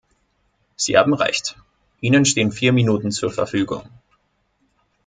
Sie haben recht, Ihnen stehen vier Minuten zur Verfügung.